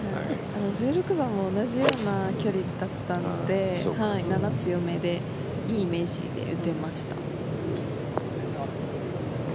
１６番も同じような距離だったのでやや強めでいいイメージで打てました。